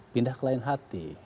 pindah ke lain hati